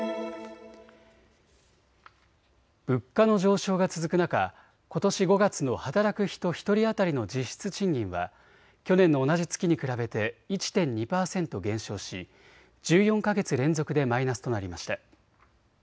物価の上昇が続く中、ことし５月の働く人１人当たりの実質賃金は去年の同じ月に比べて１．２％減少し１４か月連続でマイナスとなりました。